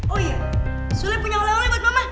oh iya sulit punya oleh oleh buat mama